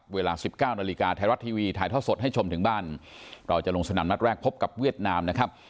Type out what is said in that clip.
เวลาสิบเก้านาฬิกาไทยรัฐทีวีถ่ายท่อสดให้ชมถึงบ้านเราจะลงสนามนัดแรกพบกับเวียดนามนะครับ